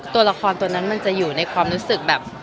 ตัวละครตัวนั้นมันจะอยู่ในความรู้สึกแบบ